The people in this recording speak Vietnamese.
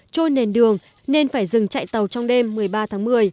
trôi nền đường nên phải dừng chạy tàu trong đêm một mươi ba tháng một mươi